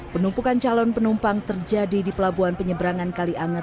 penumpukan calon penumpang terjadi di pelabuhan penyeberangan kali anget